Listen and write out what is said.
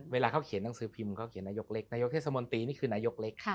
เวลาเขาเขียนหนังสือพิมพ์เขาเขียนนายกเล็กนายกนายกเทศมนตรีนี่คือนายกเล็ก